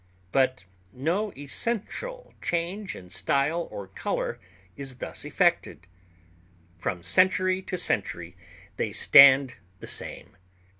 But no essential change in style or color is thus effected. From century to century they stand the same.